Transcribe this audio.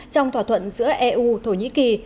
trong thỏa thuận giữa eu thổ nhĩ kỳ